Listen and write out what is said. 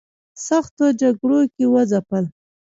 سختو جګړو کې وځپل.